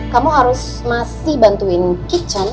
kamu harus masih bantuin kitchen